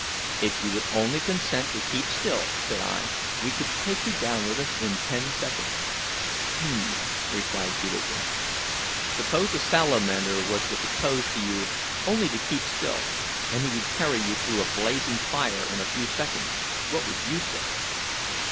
"If you would only consent to keep still," said I, "we would take you down with us in ten seconds." "Hum!" returned Peterkin; "suppose a salamander was to propose to you `only to keep still' and he would carry you through a blazing fire in a few seconds, what would you say?"